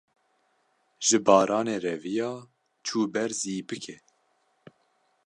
ji baranê reviya, çû ber zîpikê